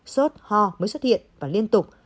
sốt ho mới xuất hiện và liên tục